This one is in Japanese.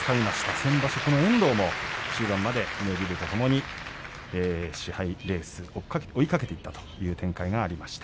先場所この遠藤も終盤まで妙義龍とともに賜盃レース追いかけていったという展開がありました。